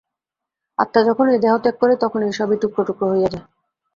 আত্মা যখন এই দেহ ত্যাগ করে, তখন এ-সবই টুকরা টুকরা হইয়া যায়।